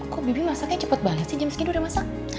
kok bibi masaknya cepat banget sih jam segini udah masak